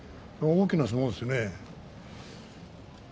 大きな相撲ですね。